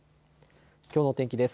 きょうの天気です。